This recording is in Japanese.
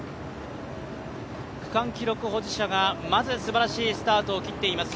区間記録保持者がまずすばらしいスタートを切っています。